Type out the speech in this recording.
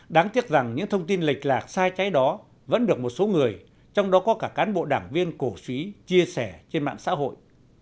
đáng tiếc rằng những thông tin lệch lạc sai trái đó vẫn được một số người trong đó có cả cán bộ đảng viên cổ suý chia sẻ trên mạng xã hội